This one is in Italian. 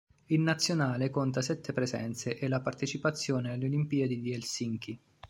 In Nazionale conta sette presenze e la partecipazione alle Olimpiadi di Helsinki.